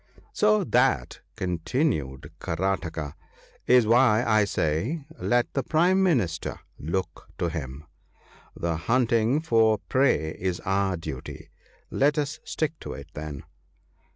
.* So that/ continued Karataka, * is why I say, Let the prime minister look to him. The hunting for prey is our duty — let us stick to it, then.